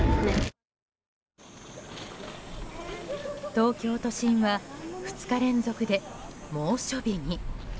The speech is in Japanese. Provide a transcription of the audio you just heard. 東京都心は２日連続で猛暑日に。